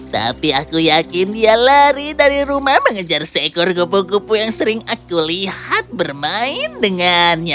tapi aku yakin dia lari dari rumah mengejar seekor kupu kupu yang sering aku lihat bermain dengannya